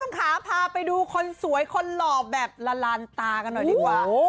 ขาพาไปดูคนสวยคนหล่อแบบละลานตากันหน่อยดีกว่า